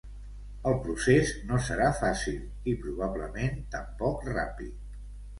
El procés no serà fàcil i, probablement, tampoc ràpid.